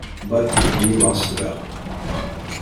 But he lost the battle.